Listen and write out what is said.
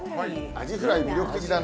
アジフライ魅力的だな。